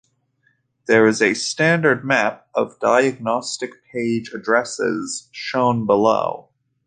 There is a standard map of diagnostic page addresses shown below.